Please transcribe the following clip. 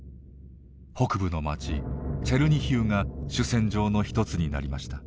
北部の町チェルニヒウが主戦場の一つになりました。